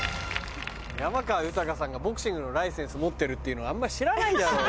山川豊さんがボクシングのライセンス持ってるってあんま知らないだろう。